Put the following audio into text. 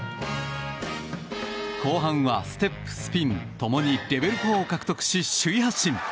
後半はステップ、スピン共にレベル４を獲得し首位発進。